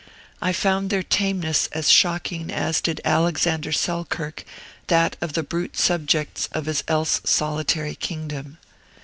I found their tameness as shocking as did Alexander Selkirk that of the brute subjects of his else solitary kingdom.